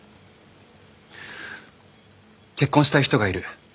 結婚したい人がいる。